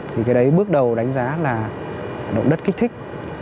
thì cái đấy bước đầu đánh giá là động đất kích thích